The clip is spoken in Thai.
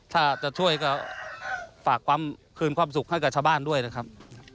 ถ้าจะช่วยก็ฝากความคืนความสุขให้กับชาวบ้านด้วยนะครับ